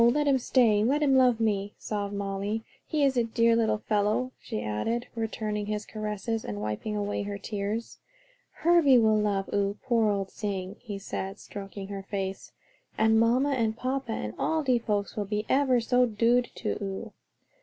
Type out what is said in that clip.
let him stay; let him love me," sobbed Molly. "He is a dear little fellow," she added, returning his caresses, and wiping away her tears. "Herbie will love oo, poor old sing," he said, stroking her face, "and mamma and papa, and all de folks will be ever so dood to oo."